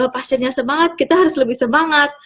pasiennya semangat kita harus lebih semangat